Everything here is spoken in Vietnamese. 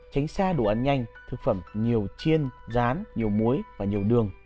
tránh xa đồ ăn nhanh thực phẩm nhiều chiên rán nhiều muối và nhiều đường